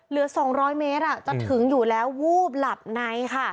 เหลือ๒๐๐เมตรจะถึงอยู่แล้ววูบหลับในค่ะ